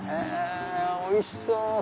おいしそう！